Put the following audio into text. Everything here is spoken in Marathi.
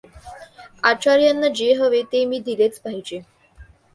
आचार्यांना जे हवे ते मी दिलेच पाहिजे.